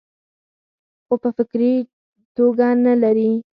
خو پۀ فکري توګه نۀ لري -